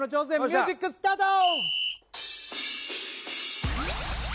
ミュージックスタート！